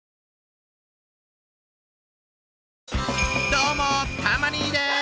どうもたま兄です。